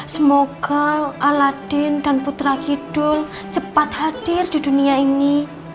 semoga aladin dan putra kidul cepat hadir di dunia ini